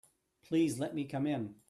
Please let me come in.